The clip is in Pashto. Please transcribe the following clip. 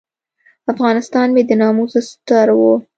افغانستان مې د ناموس ستر و.